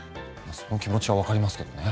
その気持ちは分かりますけどね。